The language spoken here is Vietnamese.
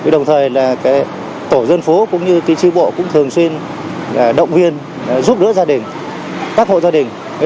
đồng thời tổ dân phố cũng như tri bộ cũng thường xuyên động viên giúp đỡ gia đình các hộ gia đình